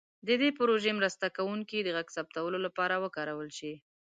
د دې پروژې مرسته کوونکي د غږ ثبتولو لپاره وکارول شي.